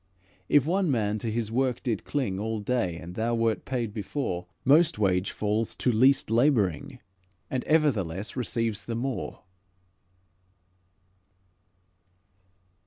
If one man to his work did cling All day, and thou wert paid before, Most wage falls to least labouring, And ever the less receives the more."